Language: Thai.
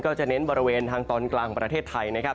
จะเน้นบริเวณทางตอนกลางของประเทศไทยนะครับ